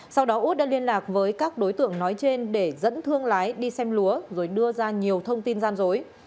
sau đó út đã liên lạc với các đối tượng nói trên để dẫn thương lái đi xem lúa rồi đưa ra nhiều thông tin gian dối